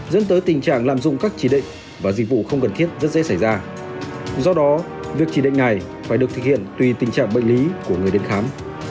dẫn tới tình trạng lạm dụng các chỉ định và dịch vụ không cần thiết rất dễ xảy ra do đó việc chỉ định này phải được thực hiện tùy tình trạng bệnh lý của người đến khám